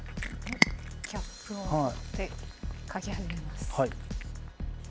キャップを取って書き始めます。